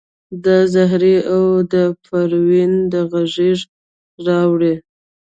د زهرې او د پروین د غیږي راوړي